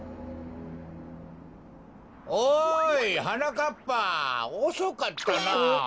おいはなかっぱおそかったなあ。